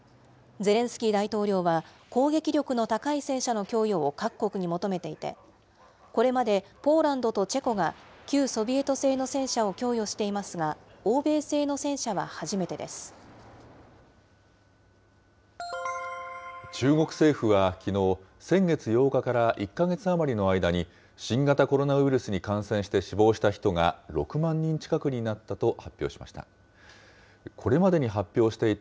ゼレンスキー大統領は、攻撃力の高い戦車の供与を各国に求めていて、これまでポーランドとチェコが旧ソビエト製の戦車を供与していま中国政府はきのう、先月８日から１か月余りの間に、新型コロナウイルスに感染して死亡した人が６万人近くになったと発表しました。